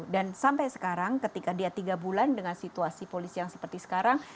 dan sampai sekarang ketika dia tiga bulan dengan situasi polisi yang seperti sekarang